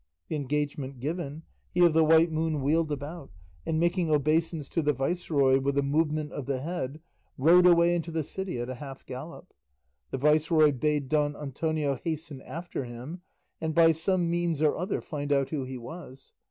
The engagement given, he of the White Moon wheeled about, and making obeisance to the viceroy with a movement of the head, rode away into the city at a half gallop. The viceroy bade Don Antonio hasten after him, and by some means or other find out who he was.